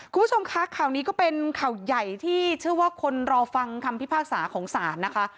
คุณผู้ชมคะข่าวนี้ก็เป็นข่าวใหญ่ที่เชื่อว่าคนรอฟังคำพิพากษาของศาลนะคะ